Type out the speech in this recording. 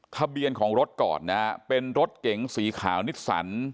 ทะเบียนของรถก่อนนะฮะเป็นรถเก๋งสีขาวนิสสัน